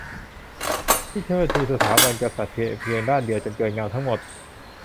ที่เชิดชูสถาบันกษัตริย์แต่เพียงด้านเดียวจนเกินงามทั้งหมด